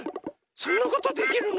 そんなことできるの？